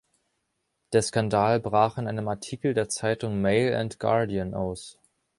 Der Skandal brach in einem Artikel der Zeitung „Mail and Guardian“ aus.